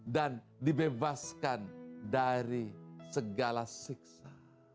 dan dibebaskan dari segala siksa